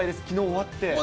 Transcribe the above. きのう終わって。